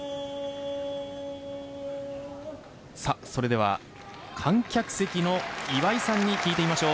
それでは観客席の岩井さんに聞いてみましょう。